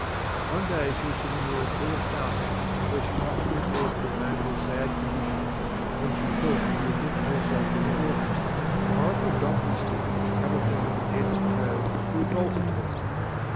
One day she was sitting near a clear fountain where she often repaired to bemoan her sad condition, when she thought she would look at herself in the water. The horrible donkey skin which covered her from head to toe revolted her.